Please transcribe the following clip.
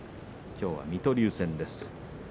きょうは水戸龍戦です。